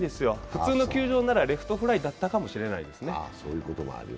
普通の球場ならレフトフライだったかもしれないですね。